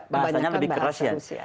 bahasanya lebih ke rusia